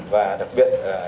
và đặc biệt